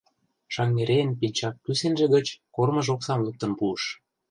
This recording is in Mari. Шаҥгерейын пинчак кӱсенже гыч кормыж оксам луктын пуыш.